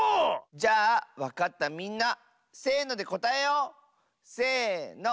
じゃあわかったみんなせのでこたえよう！せの。